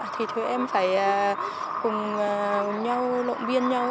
thì thì em phải cùng nhau động viên nhau